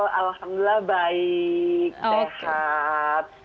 halo alhamdulillah baik sehat